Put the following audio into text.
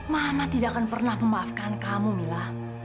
mama tidak akan pernah memaafkan kamu mila